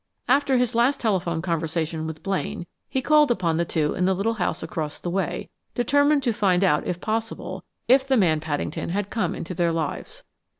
After his last telephone conversation with Blaine, he called upon the two in the little house across the way, determined to find out, if possible, if the man Paddington had come into their lives.